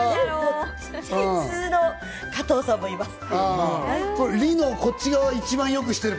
「ス」の加藤さんもいます。